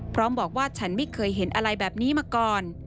พร้อมบอกว่าฉันไม่เคยเห็นอะไรแบบนี้มาก่อน